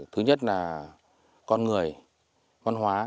thứ nhất là con người con hóa